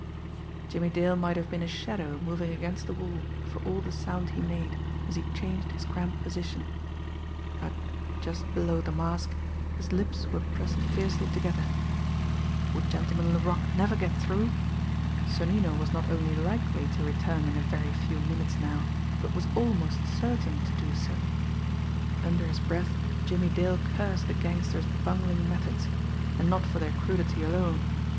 Jimmie Dale might have been a shadow moving against the wall for all the sound he made as he changed his cramped position; but, just below the mask, his lips were pressed fiercely together. Would Gentleman Laroque never get through! Sonnino was not only likely to return in a very few minutes now, but was almost certain to do so. Under his breath Jimmie Dale cursed the gangster's bungling methods and not for their crudity alone.